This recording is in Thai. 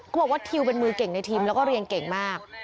บอกว่าทิวเป็นมือเก่งในทีมแล้วก็เรียนเก่งมาก